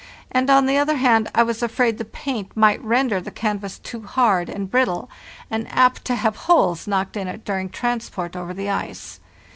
and, on the other hand, I was afraid the paint might render the canvas 14 FARTHEST NORTH too hard and brittle, and apt to have holes knocked in it during transport over the ice.